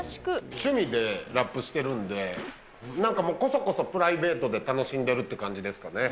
趣味でラップしてるんで、なんか、こそこそプライベートで楽しんでるって感じですかね。